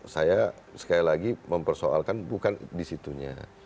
saya sekali lagi mempersoalkan bukan disitunya